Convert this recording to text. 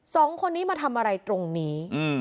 สองคนนี้มาทำอะไรตรงนี้